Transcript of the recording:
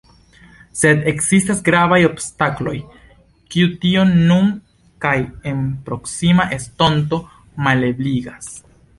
Sed ekzistas gravaj obstakloj, kiuj tion nun kaj en proksima estonto malebligas.